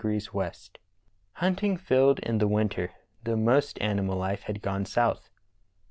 94° W. Hunting filled in the winter, though most animal life had gone south.